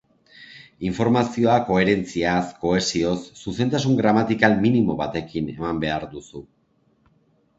Informazioa koherentziaz, kohesioz, zuzentasun gramatikal minimo batekin eman behar duzu.